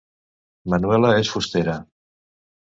Manuela és fustera